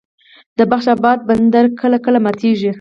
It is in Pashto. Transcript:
د بخش اباد بند کار کله ماتیږي؟